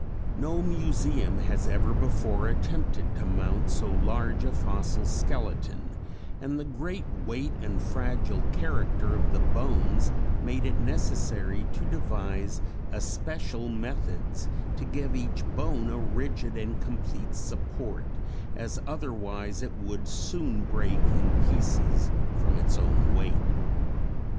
No museum has ever before attempted to mount so large a fossil skeleton, and the great weight and fragile character of the bones made it necessary to devise especial methods to give each bone a rigid and complete support as otherwise it would soon break in pieces from its own weight.